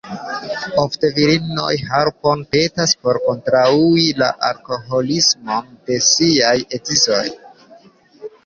Ofte virinoj helpon petas por kontraŭi la alkoholismon de siaj edzoj.